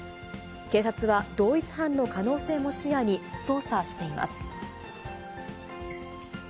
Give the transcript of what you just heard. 警察は、同一犯の可能性も視野に、捜査しています。